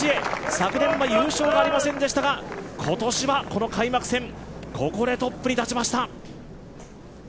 昨年は優勝がありませんでしたが、今年は、この開幕戦ここでトップに立ちました。